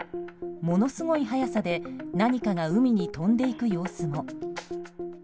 ものすごい速さで何かが海に飛んでいく様子も。